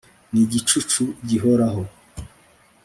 ni igicucu gihoraho